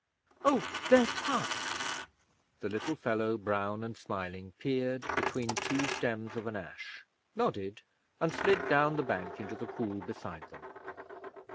'Oh! there's Puck!' The little fellow, brown and smiling, peered between two stems of an ash, nodded, and slid down the bank into the cool beside them.